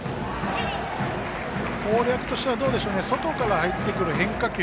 攻略としては外から入ってくる変化球。